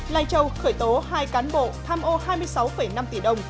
lai châu khởi tố hai cán bộ tham ô hai mươi sáu năm tỷ đồng